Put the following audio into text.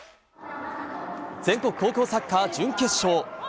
全国高校サッカー準決勝。